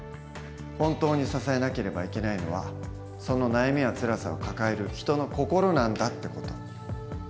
本当に支えなければいけないのはその悩みやつらさを抱える人の心なんだ」って事。